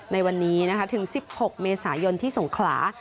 ในวันนี้นะคะถึง๑๖เมษายนที่สงขลา